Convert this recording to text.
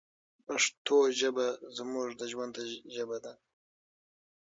پښتو ژبه زموږ د ژوند ژبه ده.